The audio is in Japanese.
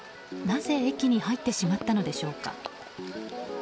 なぜ駅に入ってしまったのでしょうか。